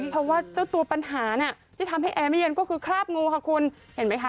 เพราะว่าเจ้าตัวปัญหาน่ะที่ทำให้แอร์ไม่เย็นก็คือคราบงูค่ะคุณเห็นไหมคะ